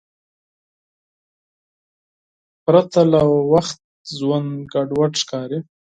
پرته له وخت ژوند ګډوډ ښکاري.